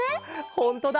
ほんとだ。